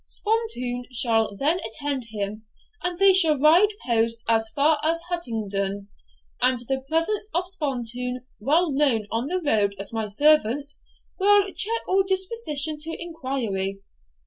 Spontoon shall then attend him; and they shall ride post as far as Huntingdon; and the presence of Spontoon, well known on the road as my servant, will check all disposition to inquiry.